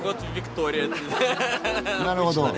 なるほど。